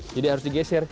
jadi harus digeser